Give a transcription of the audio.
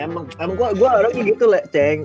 emang gue orangnya gitu leh ceng